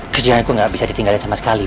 kerjaan ku gak bisa ditinggalin sama sekali